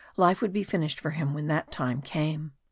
Life would be finished for him when that time came.